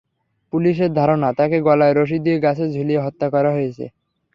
পুলিশের ধারণা, তাঁকে গলায় রশি দিয়ে গাছে ঝুলিয়ে হত্যা করা হয়েছে।